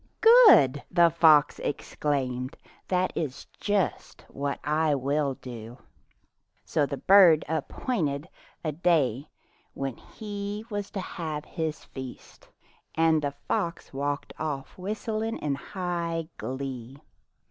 "Good!" the fox exclaimed, "that is just what I will do." So the bird appointed a day when he was to have his feast, and the fox walked oflf whistling in high glee.